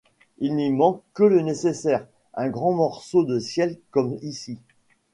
Il n’y manque que le nécessaire, un grand morceau de ciel comme ici.